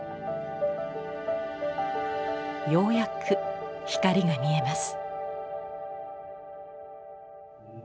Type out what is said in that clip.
ようやく光が見えます。